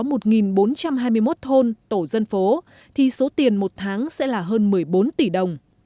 trong hai mươi một thôn tổ dân phố thì số tiền một tháng sẽ là hơn một mươi bốn tỷ đồng